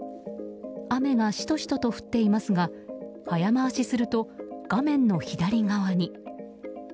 雨がシトシトと降っていますが早回しすると画面の左側に。